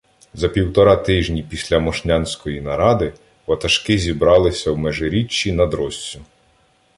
За півтора тижні після мошнянської наради ватажки зібралися в Межиріччі над Россю.